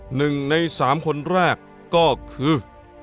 หนึ่งในสามคนแรกก็คือ